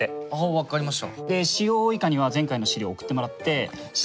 分かりました。